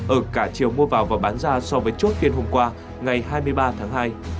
ở cả chiều mua vào và bán ra so với chốt phiên hôm qua ngày hai mươi ba tháng hai